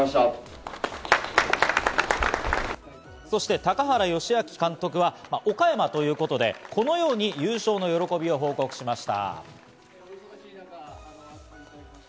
高原良明監督は岡山ということで、このように優勝の喜びを報告しました。